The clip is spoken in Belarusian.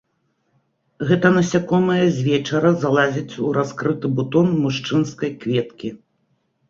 Гэта насякомае з вечара залазіць у раскрыты бутон мужчынскай кветкі.